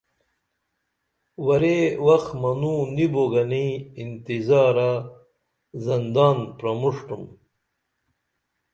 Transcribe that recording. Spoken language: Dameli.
ورے وخ منو نی بو گنی انتظارہ زندان پرمُݜٹُم